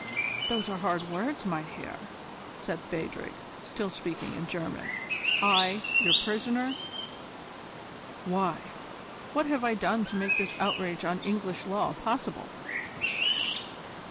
"Those are hard words, mein Herr," said Phadrig, still speaking in German. "I your prisoner! Why? What have I done to make this outrage on English law possible?"